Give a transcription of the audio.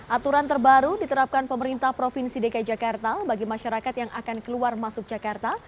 aturan terbaru diterapkan pemerintah provinsi dki jakarta bagi masyarakat yang akan keluar masuk jakarta